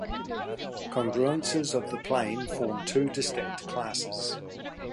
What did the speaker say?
Congruences of the plane form two distinct classes.